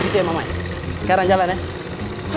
begitu ya mamay sekarang jalan ya